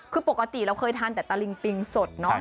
คือปกติเราเคยทานแต่ตะลิงปิงสดเนอะ